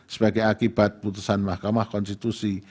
sebagai akibat putusan mahkamah konstitusi